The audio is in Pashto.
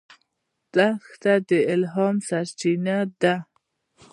دښته د الهام سرچینه ده.